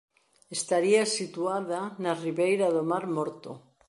Estaría situada na ribeira do mar Morto.